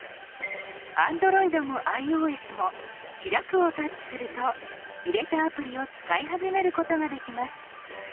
ＡｎｄｒｏｉｄもｉＯＳも「開く」をタッチすると入れたアプリを使い始めることができます。